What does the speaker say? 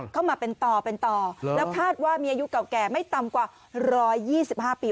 เข้ามาเป็นต่อเป็นต่อแล้วคาดว่ามีอายุเก่าแก่ไม่ต่ำกว่า๑๒๕ปี